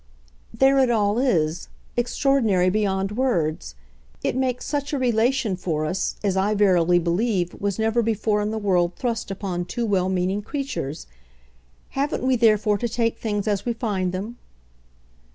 "There it all is extraordinary beyond words. It makes such a relation for us as, I verily believe, was never before in the world thrust upon two well meaning creatures. Haven't we therefore to take things as we find them?"